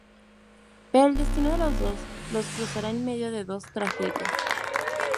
Pero el destino de los dos los cruzará en medio de dos tragedias.